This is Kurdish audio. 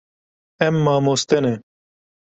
Em mamoste ne.